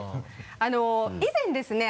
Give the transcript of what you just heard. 以前ですね